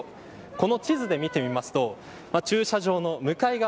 この地図で見てみますと駐車場の向かい側